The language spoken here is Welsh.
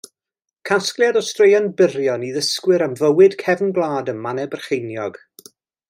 Casgliad o straeon byrion i ddysgwyr am fywyd cefn gwlad ym Mannau Brycheiniog.